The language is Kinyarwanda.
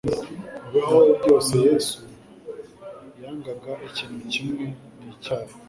Mu bibaho byose, Yesu yangaga ikintu kimwe: ni icyaha;